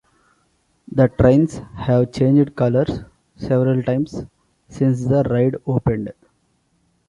The trains have changed colors several times since the ride opened.